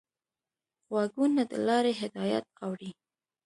غوږونه د لارې هدایت اوري